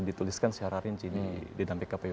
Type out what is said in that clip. dituliskan secara rinci di damping kpu